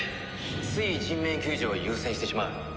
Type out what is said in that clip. つい人命救助を優先してしまう。